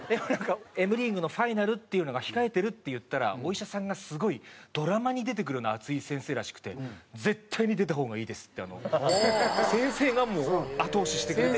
「Ｍリーグのファイナルっていうのが控えてる」って言ったらお医者さんがすごいドラマに出てくるような熱い先生らしくて「絶対に出た方がいいです」って先生がもう後押ししてくれて。